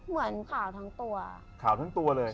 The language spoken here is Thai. เหมือนขาวทั้งตัว